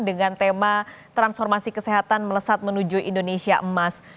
dengan tema transformasi kesehatan melesat menuju indonesia emas